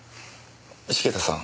茂田さん